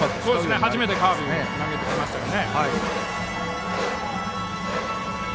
初めてカーブを投げてきましたよね。